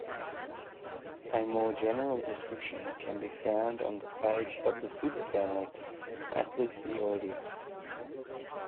A more general description can be found on the page of the superfamily Aplysioidea.